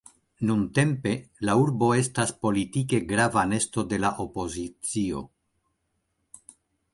Nuntempe la urbo estas politike grava nesto de la opozicio.